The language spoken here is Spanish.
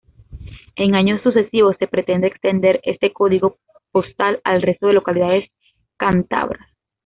En años sucesivos se pretende extender este código postal al resto de localidades cántabras.